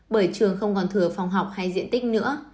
bởi trường không còn thừa phòng học hay diện tích nữa